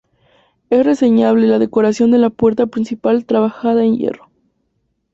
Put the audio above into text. Es reseñable la decoración de la puerta principal trabajada en hierro.